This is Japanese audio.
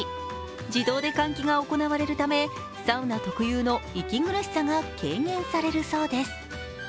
自動で換気が行われるためサウナ特有の息苦しさが軽減されるそうです。